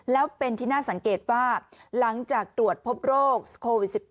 แล้วเป็นที่น่าสังเกตว่าหลังจากตรวจพบโรคโควิด๑๙